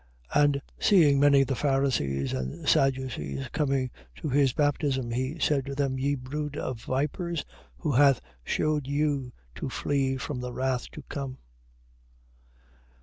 3:7. And seeing many of the Pharisees and Sadducees coming to his baptism, he said to them: Ye brood of vipers, who hath shewed you to flee from the wrath to come?